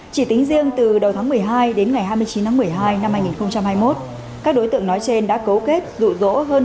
chỉ tính riêng từ đầu tháng một mươi hai đến ngày hai mươi chín tháng một mươi hai năm hai nghìn hai mươi một các đối tượng nói trên đã cấu kết rụ rỗ hơn